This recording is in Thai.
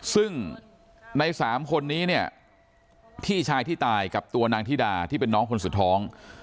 ซึ่งใน๓คนนี้เนี่ยพี่ชายที่ตายกับตัวนางธิดาที่เป็นน้องคนสุดท้อง